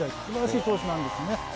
素晴らしい投手なんですね。